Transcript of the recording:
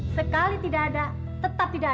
sekali tidak ada tetap tidak ada